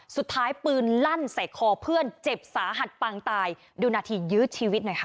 สุดท้ายปืนลั่นใส่คอเพื่อนเจ็บสาหัสปางตายดูนาทียื้อชีวิตหน่อยค่ะ